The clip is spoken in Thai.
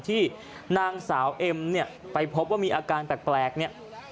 ที่นางสาวเอ็มไปพบว่ามีอาการแปลกนี่